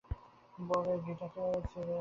বলে, গীটাকে ও ছোড়া উচ্ছন্ন দেবে।